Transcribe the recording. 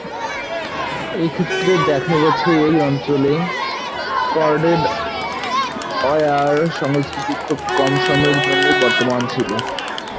এক্ষেত্রে দেখা গেছে এই অঞ্চলে কর্ডেড অয়ার সংস্কৃতি খুব কম সময়ের জন্যই বর্তমান ছিল।